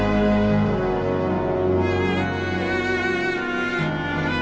terima kasih udah nonton